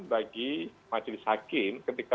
bagi majelis hakim ketika